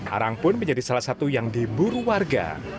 arang pun menjadi salah satu yang diburu warga